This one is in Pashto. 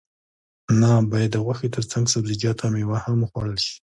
نه باید د غوښې ترڅنګ سبزیجات او میوه هم وخوړل شي